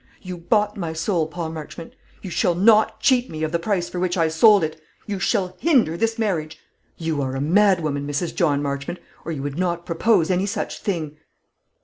You bought my soul, Paul Marchmont. You shall not cheat me of the price for which I sold it. You shall hinder this marriage!" "You are a madwoman, Mrs. John Marchmont, or you would not propose any such thing."